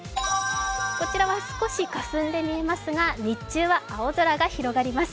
こちらは少しかすんで見えますが日中は青空が広がります。